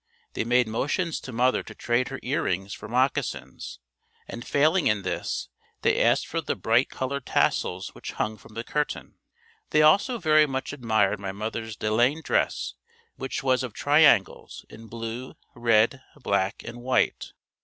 They made motions to mother to trade her earrings for moccasins and failing in this, they asked for the bright colored tassels which hung from the curtain. They also very much admired my mother's delaine dress which was of triangles in blue, red, black and white.